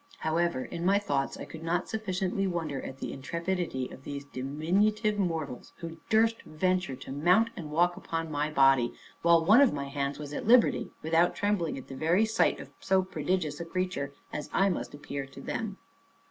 However, in my thoughts, I could not sufficiently wonder at the intrepidity of these diminutive mortals, who durst venture to mount and walk upon my body, while one of my hands was at liberty, without trembling at the very sight of so prodigious a creature, as I must appear to them.